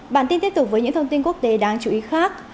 bản tin tiếp tục với những thông tin quốc tế đáng chú ý khác